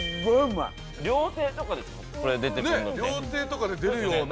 料亭とかで出るような。